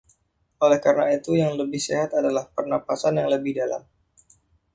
Oleh karena itu, yang lebih sehat adalah, pernapasan yang lebih dalam.